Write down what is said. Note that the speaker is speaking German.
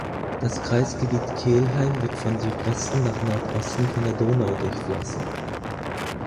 Das Kreisgebiet Kelheim wird von Südwesten nach Nordosten von der Donau durchflossen.